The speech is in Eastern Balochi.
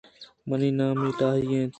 منی نام الی اِنت